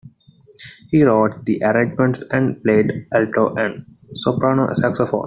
He wrote the arrangements and played alto and soprano saxophone.